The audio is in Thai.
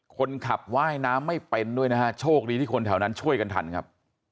คนขับว่ายน้ำไม่เป็นด้วยนะฮะโชคดีที่คนแถวนั้นช่วยกันทันครับ